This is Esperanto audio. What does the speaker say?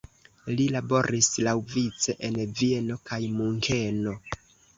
Li laboris laŭvice en Vieno kaj Munkeno.